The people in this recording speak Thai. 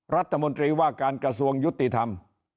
รัฐมนตรีว่าการกระทรวงยุติธรรม